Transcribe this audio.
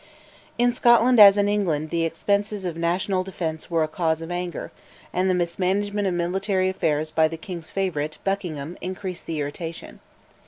In Scotland as in England the expenses of national defence were a cause of anger; and the mismanagement of military affairs by the king's favourite, Buckingham, increased the irritation.